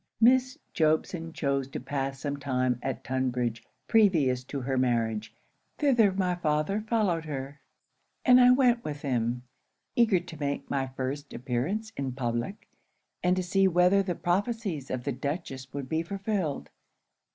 Miss Jobson chose to pass some time at Tunbridge previous to her marriage. Thither my father followed her; and I went with him, eager to make my first appearance in public, and to see whether the prophecies of the Duchess would be fulfilled.